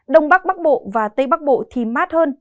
đông bắc bắc bộ và tây bắc bộ thì mát hơn